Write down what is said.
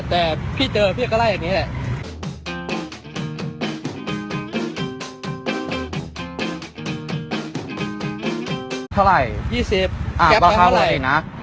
แต่พี่เจอพี่ก็ไร้แบบนี้แหละ